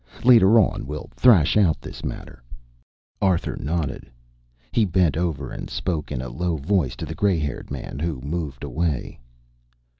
Later on we'll thrash this matter out." Arthur nodded. He bent over and spoke in a low voice to the gray haired man, who moved away.